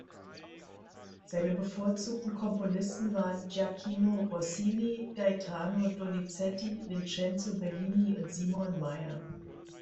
Seine bevorzugten Komponisten waren Gioachino Rossini, Gaetano Donizetti, Vincenzo Bellini und Simon Mayr.